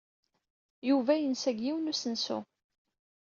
Yuba yensa deg yiwen n usensu.